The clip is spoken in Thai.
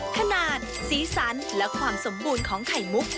ขนาดสีสันและความสมบูรณ์ของไข่มุก